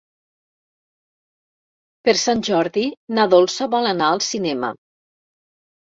Per Sant Jordi na Dolça vol anar al cinema.